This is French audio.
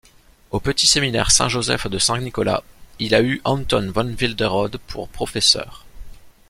Au petit séminaire Saint-Joseph de Saint-Nicolas, il a eu Anton van Wilderode pour professeur.